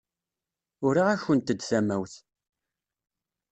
Uriɣ-akent-d tamawt.